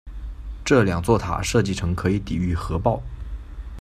这两座塔设计成可以抵御核爆。